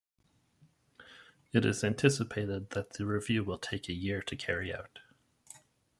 It is anticipated that the review will take a year to carry out.